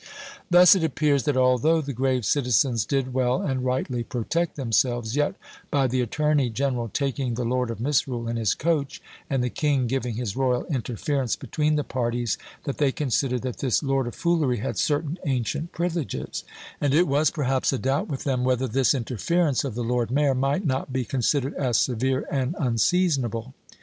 Thus it appears, that although the grave citizens did well and rightly protect themselves, yet, by the attorney general taking the Lord of Misrule in his coach, and the king giving his royal interference between the parties, that they considered that this Lord of Foolery had certain ancient privileges; and it was, perhaps, a doubt with them, whether this interference of the Lord Mayor might not be considered as severe and unseasonable.